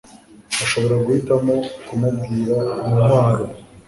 Ashobora guhitamo kumubwira intwaro